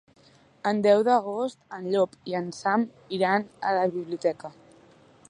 El deu d'agost en Llop i en Sam iran a la biblioteca.